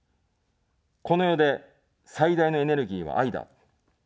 この世で最大のエネルギーは愛だ。